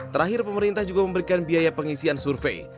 terakhir pemerintah juga memberikan biaya pengisian survei